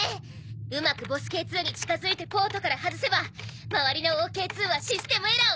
うまくボスＫー２に近づいてポートから外せば周りのＯＫー２はシステムエラーを。